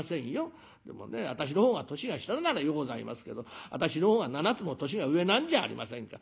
でもね私の方が年が下ならようございますけど私の方が７つも年が上なんじゃありませんか。